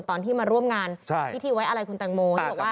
ตอนที่มาร่วมงานพิธีไว้อะไรคุณตางโม